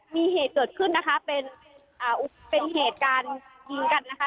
มีเหตุเกิดขึ้นนะคะเป็นอ่าเป็นเหตุการณ์ยิงกันนะคะ